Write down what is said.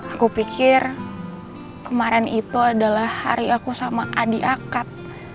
aku pikir kemarin itu adalah hari aku sama adi akad